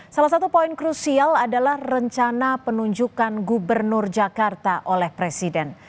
salah satu poin krusial adalah rencana penunjukan gubernur jakarta oleh presiden